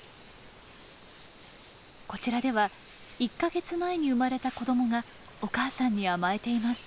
こちらでは１か月前に生まれた子どもがお母さんに甘えています。